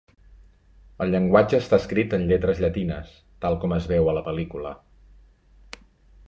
El llenguatge està escrit en lletres llatines, tal com es veu a la pel·lícula.